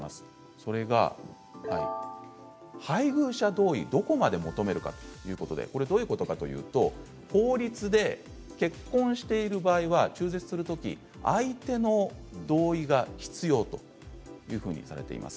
それが配偶者同意をどこまで求めるかということでどういうことかというと、法律で結婚している場合は中絶するとき相手の同意が必要というふうにされています。